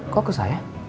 kok ke saya